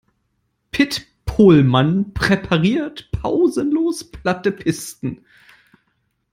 Pit Pohlmann präpariert pausenlos platte Pisten.